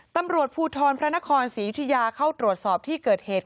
ตำรวจภูทรพระนครศรียุธยาเข้าตรวจสอบที่เกิดเหตุ